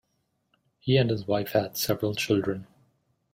He and his wife had several children.